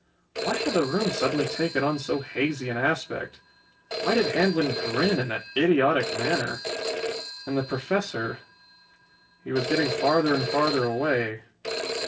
Why had the room suddenly taken on so hazy an aspect? Why did Handlon grin in that idiotic manner? And the Professor ... he was getting farther and farther away